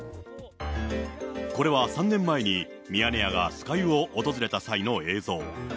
これは３年前に、ミヤネ屋が酸ヶ湯を訪れた際の映像。